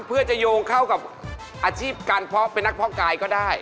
เพื่อจะโยงเข้ากับอาชีพการเพาะเป็นนักเพาะกายก็ได้